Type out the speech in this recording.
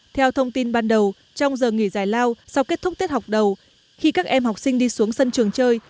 theo thông tin ban đầu trong giờ nghỉ giải lao sau kết thúc tiết học đầu khi các em học sinh đi xuống sân trường chơi